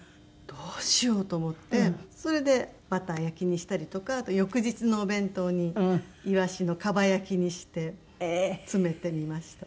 どうしようと思ってそれでバター焼きにしたりとかあと翌日のお弁当にイワシのかば焼きにして詰めてみました。